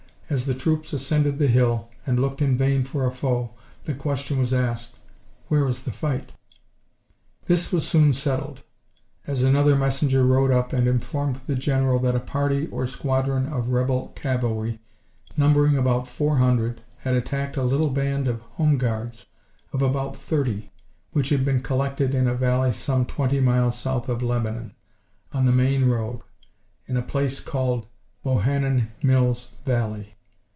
As the troops ascended the hill, and looked in vain for a foe, the question was asked: "Where is the fight?" This was soon settled, as another messenger rode up and informed the General that a party or squadron of rebel cavalry, numbering about four hundred, had attacked a little band of "home guards," of about thirty, which had been collected in a valley some twenty miles south of Lebanon, on the main road, in a place called "Bohannan Mills valley."